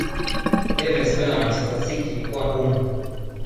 Tevez kwenda manchester city ilikuwa ngumu